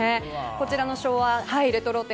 こちらの昭和レトロ展